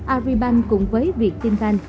aribank cùng với vietinbank